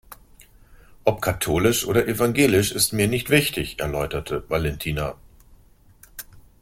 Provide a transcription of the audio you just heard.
Ob katholisch oder evangelisch ist mir nicht wichtig, erläuterte Valentina.